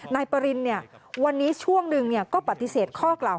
นายปริณวันนี้ช่วงหนึ่งก็ปฏิเสธข้อกล่าว